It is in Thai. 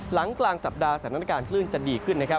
หลังกลางสัปดาห์สถานการณ์คลื่นจะดีขึ้นนะครับ